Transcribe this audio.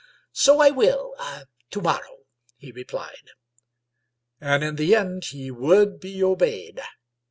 So I will — ^to mor row," he replied. And in the end he would be obeyed.